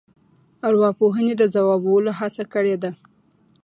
ارواپوهنې د ځوابولو هڅه کړې ده.